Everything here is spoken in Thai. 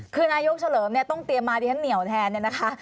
คือนายกเฉลิมเนี่ยต้องเตรียมมาดิฉันเหนียวแทนเนี่ยนะคะ